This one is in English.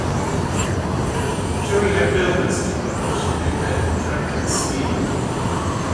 During her builder's trials she made her contracted speed requirement.